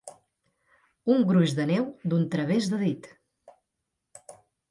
Un gruix de neu d'un través de dit.